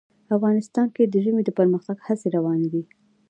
افغانستان کې د ژمی د پرمختګ هڅې روانې دي.